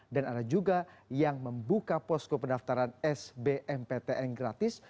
dan ada juga yang membuka posko pendaftaran sbm ptn gratis